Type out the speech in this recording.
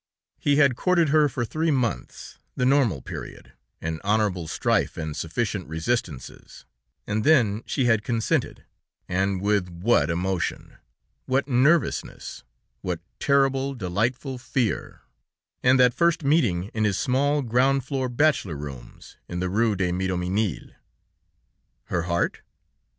He had courted her for three months the normal period, an honorable strife and sufficient resistances and then she had consented, and with what emotion, what nervousness, what terrible, delightful fear, and that first meeting in his small, ground floor bachelor rooms, in the Rue de Miromesnil. Her heart?